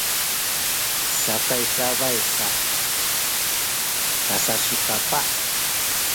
sakay cabay sa kasasukapah